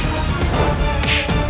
dan menangkap kake guru